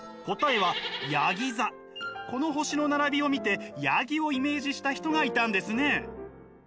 この星の並びを見てやぎをイメージした人がいたんですね。